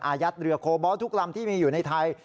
ยัดเรือโคบอลทุกลำที่มีอยู่ในไทย